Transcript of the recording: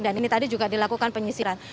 dan ini tadi juga dilakukan penyisiran